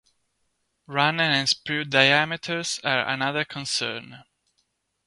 Runner and sprue diameters are another concern.